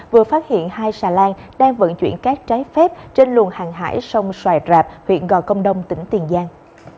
vừa phát hiện hai xà lan đang vận chuyển cát trái phép trên luồng hàng hải sông xoài rạp huyện gò công đông tỉnh tiền giang